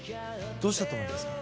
どうしたと思いますか？